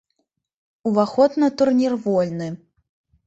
Уваход на турнір вольны.